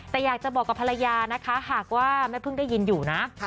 แต่อยากจะบอกกับภรรยานะคะหากว่าแม่พึ่งได้ยินอยู่นะ